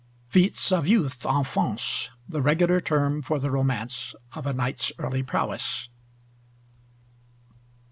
FEATS OF YOUTH: ENFANCES, the regular term for the romance of a knight's early prowess.